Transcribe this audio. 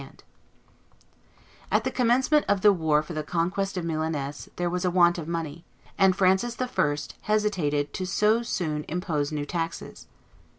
[Illustration: Anthony Duprat 24] At the commencement of the war for the conquest of Milaness there was a want of money, and Francis I. hesitated to so soon impose new taxes.